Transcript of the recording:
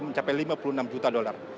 mencapai lima puluh enam juta dolar